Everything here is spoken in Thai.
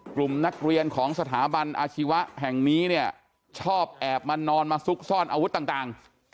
กลุ่มนักเรียนของสถาบันอาชีวะแห่งนี้เนี่ยชอบแอบมานอนมาซุกซ่อนอาวุธต่าง